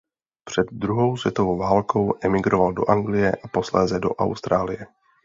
Před druhou světovou válkou emigroval do Anglie a posléze do Austrálie.